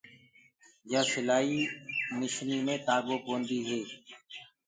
يآ سِلآئي مشني مي تآگو پوندي هي۔